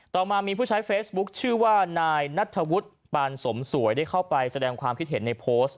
ต่อมามีผู้ใช้เฟซบุ๊คชื่อว่านายนัทธวุฒิปานสมสวยได้เข้าไปแสดงความคิดเห็นในโพสต์